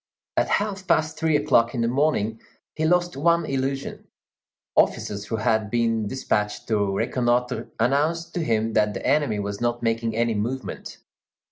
At half past three o'clock in the morning, he lost one illusion; officers who had been despatched to reconnoitre announced to him that the enemy was not making any movement.